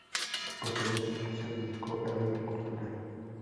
Posteriormente se dedicó a la Agricultura.